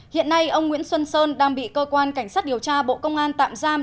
hiện nay ông nguyễn xuân sơn đang bị cơ quan cảnh sát điều tra bộ công an tạm giam